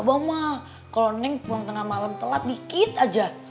abah mah kalo nenk pulang tengah malem telat dikit aja